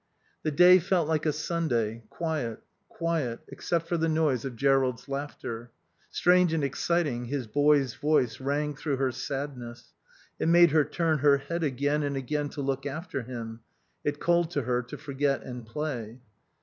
The day felt like a Sunday, quiet, quiet, except for the noise of Jerrold's laughter. Strange and exciting, his boy's voice rang through her sadness; it made her turn her head again and again to look after him; it called to her to forget and play.